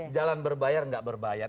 jalan berbayar gak berbayar